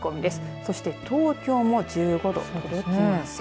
そして東京も１５度届きません。